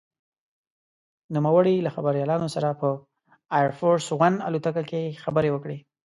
نوموړي له خبریالانو سره په «اېر فورس ون» الوتکه کې خبرې وکړې.